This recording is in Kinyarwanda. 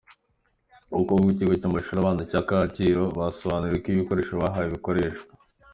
Abakobwa b'ikigo cy'amashuri abanza cya Kacyiru basobanuriwe uko ibikoresho bahawe bikoreshwa.